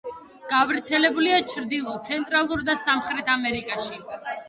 გავრცელებულია ჩრდილო, ცენტრალურ და სამხრეთ ამერიკაში.